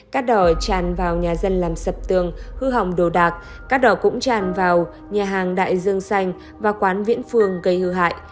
cát đỏ tràn vào nhà dân làm sập tường hư hỏng đồ đạc cát đỏ cũng tràn vào nhà hàng đại dương xanh và quán viễn phường gây hư hại